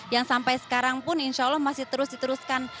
yang sampai sekarang pun insya allah masih terus diteruskan